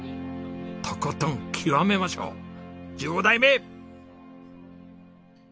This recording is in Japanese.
とことん極めましょう１５代目！